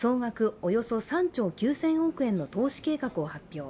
およそ３兆９０００億円の投資計画を発表。